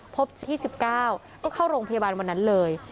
พบที่๑๙ก็เข้าโรงพยาบาลวันนั้นเลย